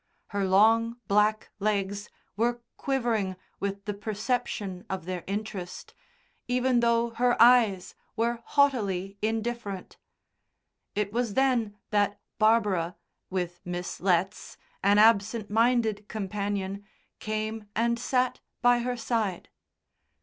Her long black legs were quivering with the perception of their interest, even though her eyes were haughtily indifferent. It was then that Barbara, with Miss Letts, an absent minded companion, came and sat by her side.